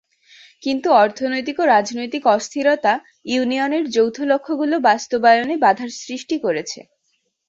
কিন্তু অর্থনৈতিক ও রাজনৈতিক অস্থিরতা ইউনিয়নের যৌথ লক্ষ্যগুলি বাস্তবায়নে বাধার সৃষ্টি করেছে।